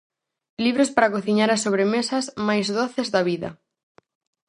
Libros para cociñar as sobremesas máis doces da vida.